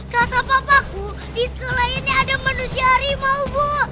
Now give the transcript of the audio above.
kata papaku di sekolah ini ada manusia hari mau bu